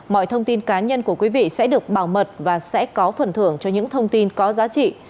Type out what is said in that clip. mọi thông tin cá nhân của quý vị sẽ được bảo mật và sẽ có phần thưởng cho những thông tin có giá trị